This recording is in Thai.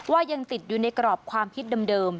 ว่ายังติดอยู่ในกรอบความคิดเดิม